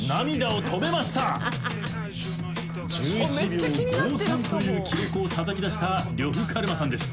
１１秒５３という記録をたたき出した呂布カルマさんです。